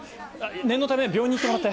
念のため病院に行ってもらって。